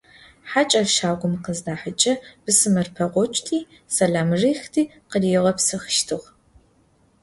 Хьакӏэр щагум къыздахьэкӏэ бысымыр пэгъокӏти, сэлам рихти къыригъэпсыхыщтыгъ.